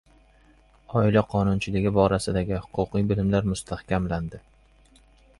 Oila qonunchiligi borasidagi huquqiy bilimlar mustahkamlandi